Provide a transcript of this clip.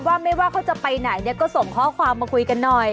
ว่าไม่ว่าเขาจะไปไหนเนี่ยก็ส่งข้อความมาคุยกันหน่อย